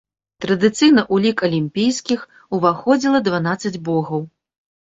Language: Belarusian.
Традыцыйна ў лік алімпійскіх уваходзіла дванаццаць богаў.